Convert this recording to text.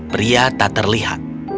pria tak terlihat